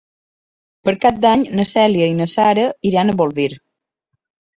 Per Cap d'Any na Cèlia i na Sara iran a Bolvir.